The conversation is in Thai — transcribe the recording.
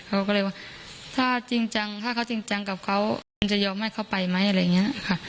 เขาก็เลยว่าถ้าจริงจังถ้าเขาจริงจังกับเขาคุณจะยอมให้เขาไปไหมอะไรอย่างนี้ค่ะ